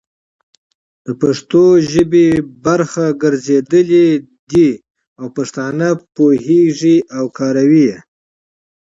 د پښتو ژبې برخه ګرځېدلي دي او پښتانه په پوهيږي او کاروي يې،